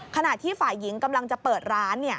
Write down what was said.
ขณะที่ฝ่ายหญิงกำลังจะเปิดร้าน